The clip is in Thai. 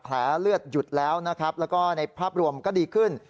แผลเลือดหยุดแล้วนะครับแล้วก็ในภาพรวมก็ดีขึ้น